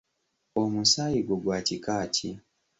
Omusaayi gwo gwa kika ki?